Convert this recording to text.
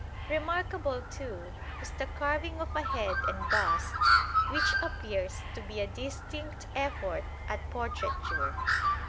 Remarkable, too, was the carving of a head and bust which appears to be a distinct effort at portraiture.